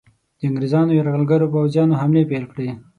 د انګریزانو یرغلګرو پوځیانو حملې پیل کړې.